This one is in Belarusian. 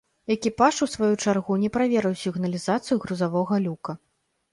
Экіпаж у сваю чаргу не праверыў сігналізацыю грузавога люка.